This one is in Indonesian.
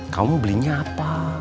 kamu belinya apa